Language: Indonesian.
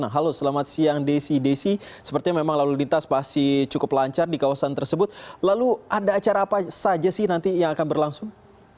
halo selamat siang desi desi sepertinya memang lalu lintas pasti cukup lancar di kawasan tersebut lalu ada acara apa saja sih nanti yang akan berlangsung